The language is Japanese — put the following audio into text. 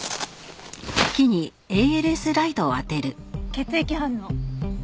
血液反応。